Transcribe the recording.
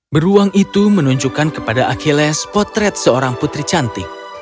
beruang itu menunjukkan kepada achilles potret seorang putri cantik